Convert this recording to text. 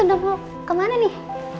udah mau kemana nih